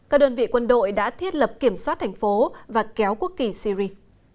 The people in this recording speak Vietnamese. các đơn vị quân đội đã thiết lập kiểm soát thành phố và kéo quốc kỳ syri